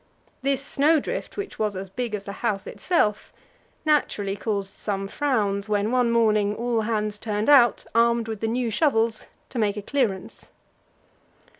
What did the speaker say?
This snow drift, which was as big as the house itself, naturally caused some frowns, when one morning all hands turned out, armed with the new shovels, to make a clearance.